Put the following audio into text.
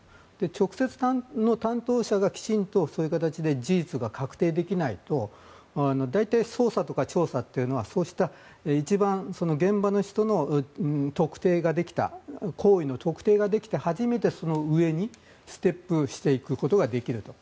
直接の担当者がきちんとそういう形で事実が確定できないと大体、捜査とか調査はそうした一番現場の人の特定ができた行為の特定ができて初めてそのうえにステップしていくことができると。